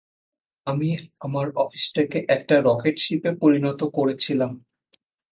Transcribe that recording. আমি আমার অফিসটাকে একটা রকেট শিপে পরিণত করেছিলাম।